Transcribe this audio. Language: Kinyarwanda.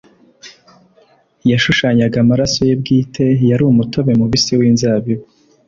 yashushanyaga amaraso ye bwite, yari umutobe mubisi w'inzabibu.